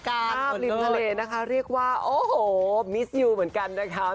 ภาพริมทะเลนะคะเรียกว่าโอ้โหมิสยูเหมือนกันนะคะ